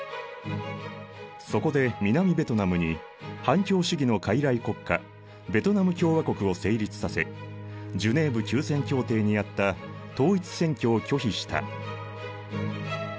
そこで南ベトナムに反共主義の傀儡国家ベトナム共和国を成立させジュネーブ休戦協定にあった統一選挙を拒否した。